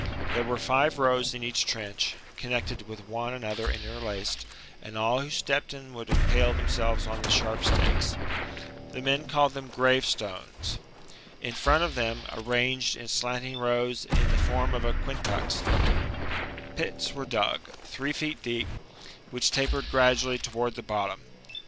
There were five rows in each trench, connected with one another and interlaced ; and all who stepped in would impale themselves on the sharp stakes. The men called them " grave stones." ^ In front of them, arranged in slanting rows in the form of a quincunx, pits were dug, three feet deep, which tapered gradually towards the bottom.